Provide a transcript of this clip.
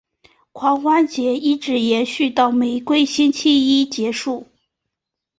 狂欢节一直延续到玫瑰星期一结束。